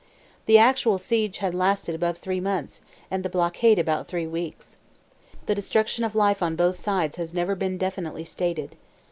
The actual siege had lasted above three months, and the blockade about three weeks. The destruction of life on both sides has never been definitely stated.